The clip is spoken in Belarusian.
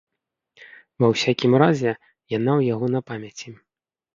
Ва ўсякім разе яна ў яго на памяці.